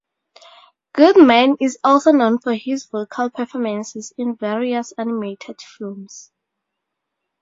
Goodman is also known for his vocal performances in various animated films.